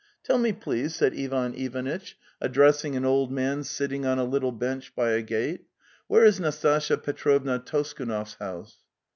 'Tell me, please," said Ivan Ivanitch, addressing an old man sitting on a little bench by a gate, '' where is Nastasya Petrovna Toskunov's house?